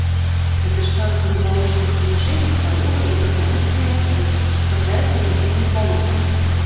На пясчаных і забалочаных паніжэннях хваёвыя і драбналістыя лясы, трапляюцца нізінныя балоты.